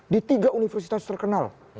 di tiga universitas terkenal